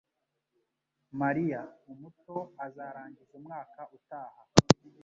Mariya, umuto, azarangiza umwaka utaha